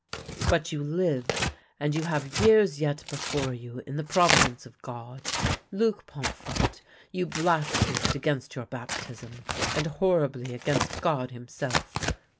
" But you live, and you have years yet before you, in the providence of God. Luc Pomfrette, you blas phemed against your baptism, and horribly against God himself.